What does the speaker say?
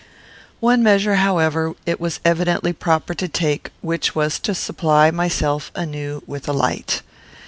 One measure, however, it was evidently proper to take, which was to supply myself, anew, with a light.